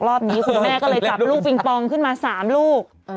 รอบนี้คุณแม่ก็เลยจับลูกปิงปองขึ้นมา๓ลูก